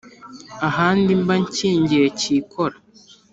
ahandi mba nshyingiye cyikora,